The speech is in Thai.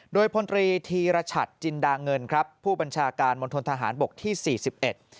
โดยพลตรีธีรชัดจินดาเงินครับผู้บัญชาการมณฑนทหารบกที่สี่สิบเอ็ด